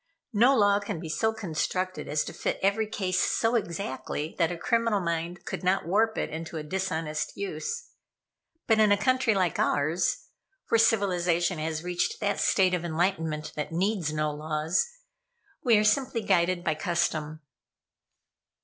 No law can be so constructed as to fit every case so exactly that a criminal mind could not warp it into a dishonest use. But in a country like ours, where civilization has reached that state of enlightenment that needs no laws, we are simply guided by custom."